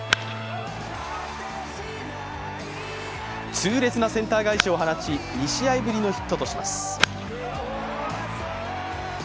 痛烈なセンター返しを放ち、２試合ぶりのヒットとします。